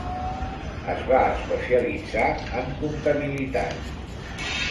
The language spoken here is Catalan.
Es va especialitzar en comptabilitat.